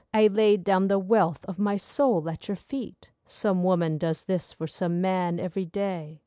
I laid down the wealth of my soul at your feet (Some woman does this for some man every day).